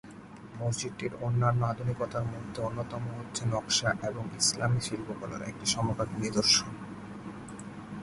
মসজিদটির অনন্য আধুনিকতার মধ্যে অন্যতম হচ্ছে নকশা এবং ইসলামী শিল্পকলার একটি সমকালীন নিদর্শন।